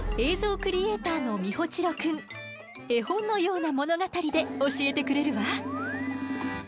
絵本のような物語で教えてくれるわ。